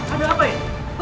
ada apa ya